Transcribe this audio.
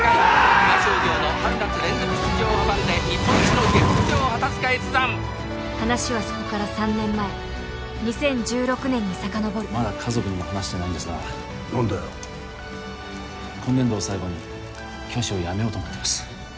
伊賀商業の春夏連続出場を阻んで日本一の下剋上を果たすか越山話はそこから３年前２０１６年にさかのぼるまだ家族にも話してないんですが何だよ今年度を最後に教師を辞めようと思ってます